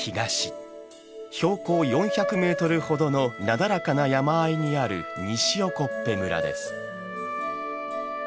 標高４００メートルほどのなだらかな山あいにある西興部村です。